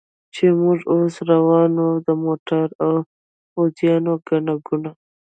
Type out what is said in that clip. چې موږ اوس روان و، د موټرو او پوځیانو ګڼه ګوڼه.